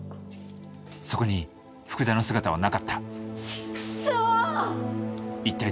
そこに福田の姿はなかった畜生！